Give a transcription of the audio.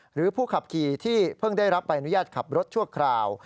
หรือผู้ขับขี่ที่เพิ่งได้รับใบอนุญาตขับรถชั่วคราว